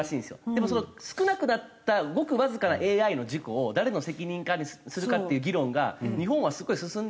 でも少なくなったごくわずかなＡＩの事故を誰の責任にするかっていう議論が日本はすごい進んでないらしくて。